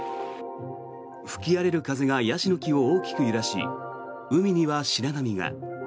吹き荒れる風がヤシの木を大きく揺らし海には白波が。